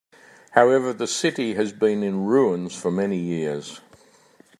However, the city has been in ruins for many years.